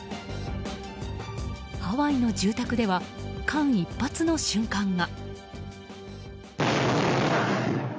ハワイの住宅では間一髪の瞬間が。